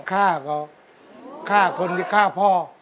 ฆ่าเขาฆ่าคนที่ฆ่าพ่อ